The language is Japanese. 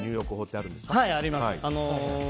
はい、あります。